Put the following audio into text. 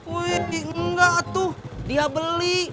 wih ini enggak tuh dia beli